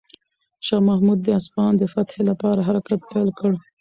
شاه محمود د اصفهان د فتح لپاره حرکت پیل کړ.